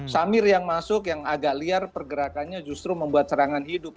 samir yang masuk yang agak liar pergerakannya justru membuat serangan hidup